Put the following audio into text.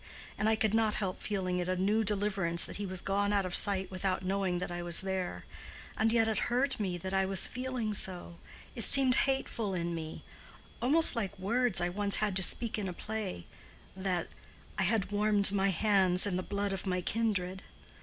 And I could not help feeling it a new deliverance that he was gone out of sight without knowing that I was there. And yet it hurt me that I was feeling so—it seemed hateful in me—almost like words I once had to speak in a play, that 'I had warmed my hands in the blood of my kindred.